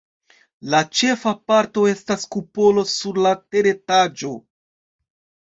La ĉefa parto estas kupolo sur la teretaĝo.